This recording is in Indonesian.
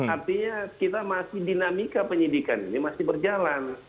artinya kita masih dinamika penyidikan ini masih berjalan